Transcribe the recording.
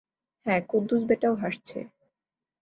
হ্যাঁ, কুদ্দুস ব্যাটাও হাসছে।